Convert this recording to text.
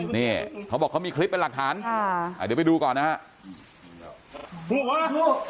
นี่เขาบอกเขามีคลิปเป็นหลักฐานค่ะเดี๋ยวไปดูก่อนนะครับ